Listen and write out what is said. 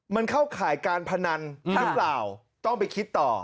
มันเข้าข่ายการพนันหรือเปล่าต้องไปคิดต่อ